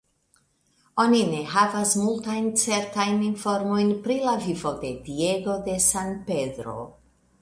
Oni ne havas multajn certajn informojn pri la vivo de Diego de San Pedro.